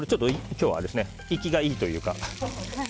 今日は生きがいいというか。